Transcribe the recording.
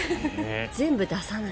全部出さない。